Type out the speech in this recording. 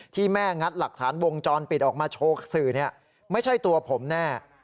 ที่แม่งัดหลักฐานวงจรปิดออกมาโชว์สื่อไม่ใช่ตัวผมแน่